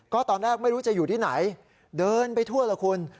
ก็ตอนแรกไม่รู้จะอยู่ที่ไหนเดินไปทั่วละคุณ